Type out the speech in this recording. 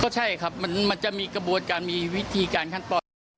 ใช่ครับมันจะมีกระบวนการมีวิธีการขั้นตอน